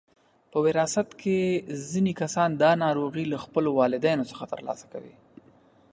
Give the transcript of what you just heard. په وراثت کې ځینې کسان دا ناروغي له خپلو والدینو څخه ترلاسه کوي.